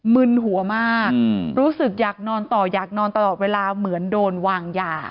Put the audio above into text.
มึนหัวมากรู้สึกอยากนอนต่ออยากนอนตลอดเวลาเหมือนโดนวางยา